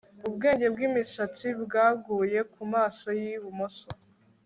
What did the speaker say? Ubwenge bwimisatsi bwaguye kumaso yibumoso